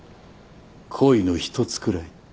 恋の一つくらい。